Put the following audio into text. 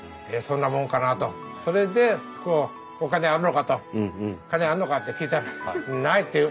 それでお金あるのかと金あんのかって聞いたらないって言う。